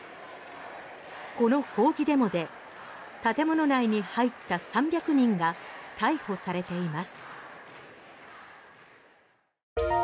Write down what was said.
この抗議デモで、建物内に入った３００人が逮捕されています。